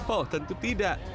oh tentu tidak